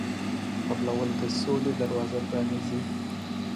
قبلول د سولې دروازه پرانیزي.